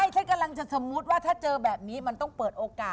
ฉันกำลังจะสมมุติว่าถ้าเจอแบบนี้มันต้องเปิดโอกาส